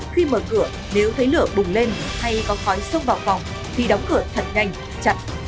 khi mở cửa nếu thấy lửa bùng lên hay có khói xông vào phòng thì đóng cửa thật nhanh chặt